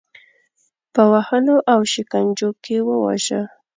په وهلو او شکنجو کې وواژه.